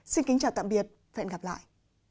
xin kính chào tạm biệt hẹn gặp lại